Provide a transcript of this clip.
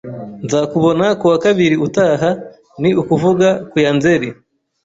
Nzakubona ku wa kabiri utaha, ni ukuvuga ku ya Nzeri